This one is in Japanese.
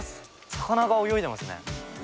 魚が泳いでますね。